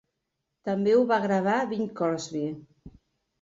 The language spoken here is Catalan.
També ho va gravar Bing Crosby.